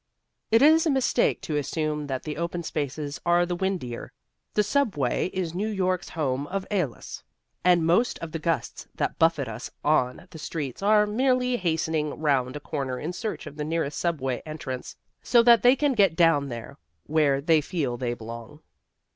It is a mistake to assume that the open spaces are the windier. The subway is New York's home of Æolus, and most of the gusts that buffet us on the streets are merely hastening round a corner in search of the nearest subway entrance so that they can get down there where they feel they belong.